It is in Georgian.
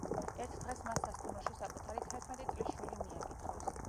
ერთ დღეს მას სასტუმროში საკუთარი თერთმეტი წლის შვილი მიაკითხავს.